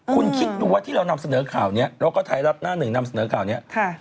คุณคิดดูว่าที่เรานำเสนอข่าวนี้แล้วก็ไทยรัฐหน้าหนึ่งนำเสนอข่าวนี้